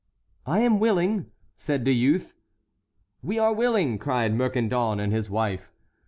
"I am willing," said the youth. "We are willing!" cried Mercandon and his wife.